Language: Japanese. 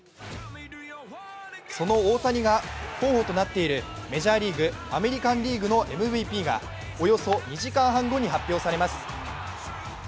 その大谷が候補となっているメジャーリーグアメリカン・リーグのＭＶＰがおよそ２時間半後に発表されます。